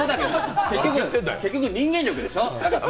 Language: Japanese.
結局、人間力でしょ？